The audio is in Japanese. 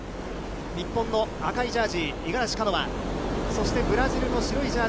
日本の赤いジャージ、五十嵐カノア。